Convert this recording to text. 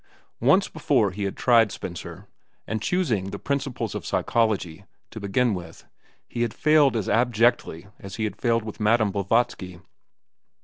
Once before he had tried Spencer, and choosing the "Principles of Psychology" to begin with, he had failed as abjectly as he had failed with Madam Blavatsky.